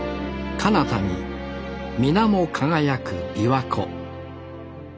かなたにみなも輝く琵琶湖